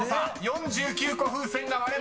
４９個風船が割れました］